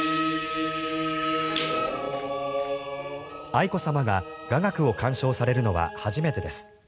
愛子さまが雅楽を鑑賞されるのは初めてです。